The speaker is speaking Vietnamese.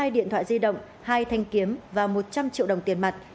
một mươi hai điện thoại di động hai thanh kiếm và một trăm linh triệu đồng tiền mặt